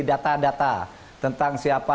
data data tentang siapa